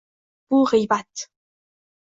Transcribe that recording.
Bu g‘iybat.